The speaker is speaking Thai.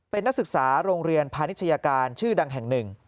เป็นนักศึกษาโรงเรียนพาณิชยาการชื่อดังแห่งหนึ่ง